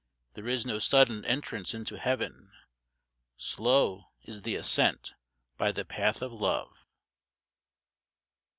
There is no sudden entrance into Heaven. Slow is the ascent by the path of Love.